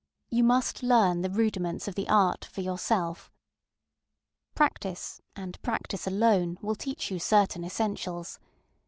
You must learn the rudiments of the art for yourself. Practice, and practice alone, will teach you certain essentials.